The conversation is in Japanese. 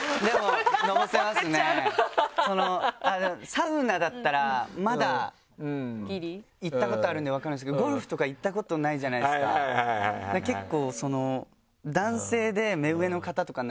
サウナだったらまだ行ったことあるんで分かるんですけどゴルフとか行ったことないじゃないですか結構。